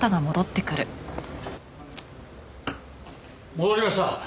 戻りました。